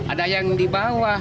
ada yang di bawah